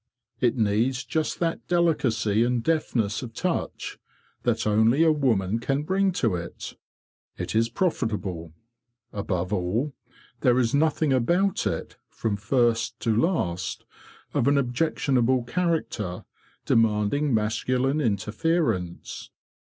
It needs just that delicacy and deftness of touch that only a woman can bring to it. It is profitable. Above all, there is nothing about it, from first to last, of an objectionable character, demanding masculine inter ference.